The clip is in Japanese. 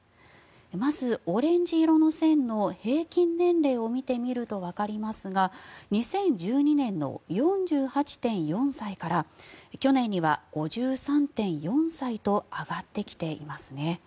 まず、オレンジ色の線の平均年齢を見てみるとわかりますが２０１２年の４８．４歳から去年には５３．４歳と上がってきていますね。